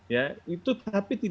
ya itu tapi